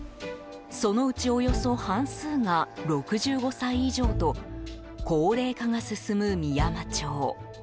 そのうち、およそ半数が６５歳以上と高齢化が進む美山町。